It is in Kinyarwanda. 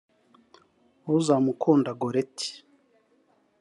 Uzamukunda Goleti